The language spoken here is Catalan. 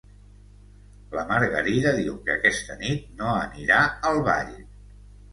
La Margarida diu que aquesta nit no anirà al ball